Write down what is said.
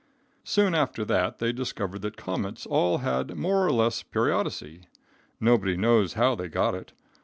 Soon after that they discovered that comets all had more or less periodicity. Nobody knows how they got it.